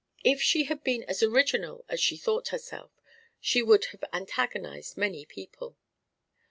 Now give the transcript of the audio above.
If she had been as original as she thought herself, she would have antagonised many people.